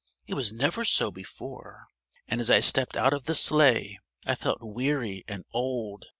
It was never so before. And as I stepped out of the Sleigh, I felt weary and old.